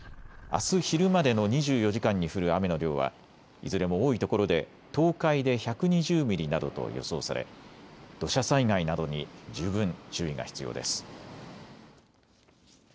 あす昼までの２４時間に降る雨の量はいずれも多いところで東海で１２０ミリなどと予想され土砂災害などに十分注意が必要です。